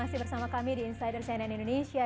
selamat datang di insider cnn indonesia